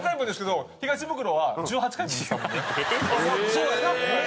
そうやな。